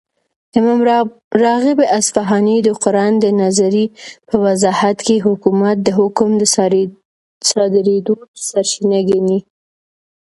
،امام راغب اصفهاني دقران دنظري په وضاحت كې حكومت دحكم دصادريدو سرچينه ګڼي